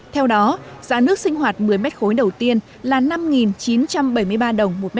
theo đó giá nước sinh hoạt một mươi m ba đầu tiên là năm chín trăm bảy mươi ba đồng một m ba